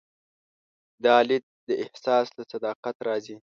دا لید د احساس له صداقت راځي.